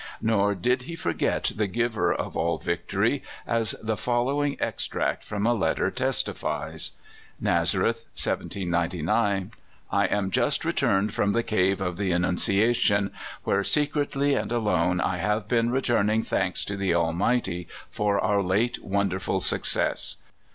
Nor did he forget the Giver of all victory, as the following extract from a letter testifies: "Nazareth, 1799. I am just returned from the Cave of the Annunciation, where, secretly and alone, I have been returning thanks to the Almighty for our late wonderful success.